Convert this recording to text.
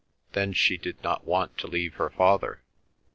Then she did not want to leave her father.